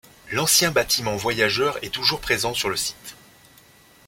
L'ancien bâtiment voyageurs est toujours présent sur le site.